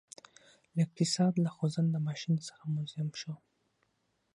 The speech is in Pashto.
له اقتصاد له خوځنده ماشین څخه موزیم شو